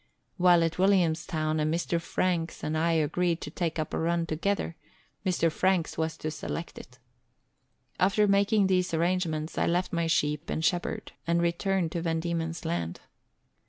While at Williamstown, a Mr. Franks and I agreed to take up a run together ; Mr. Franks was to select it. After making these arrangements, I left my sheep and shepherd and returned to Van Diemen's Land.